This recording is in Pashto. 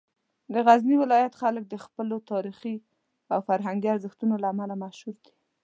د غزني ولایت خلک د خپلو تاریخي او فرهنګي ارزښتونو له امله مشهور دي.